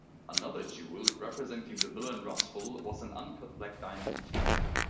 Another jewel, representing the villain Rusful, was an uncut black diamond.